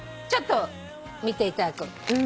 ちょっと見ていただく。